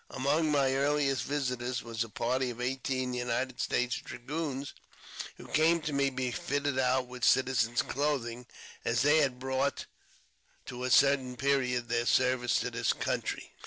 Among my earliest visitors was a party of eighteen United States dragoons, who came to me to be fitted out with citizen's clothing, as they had brought to a sudden JAMES P. BECKWOUETH. 419 period their service to their country.